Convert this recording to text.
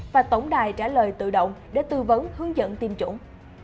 và tổng đài trả lời tự động để tư vấn hướng dẫn tiêm chủng